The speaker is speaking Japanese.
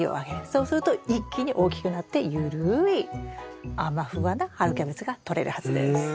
そうすると一気に大きくなってゆるいあま・フワな春キャベツがとれるはずです。